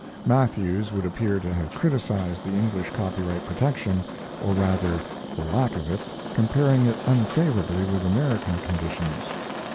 Matthews would appear to have criticized the English copyright protection, or rather the lack of it, comparing it unfavorably with American conditions.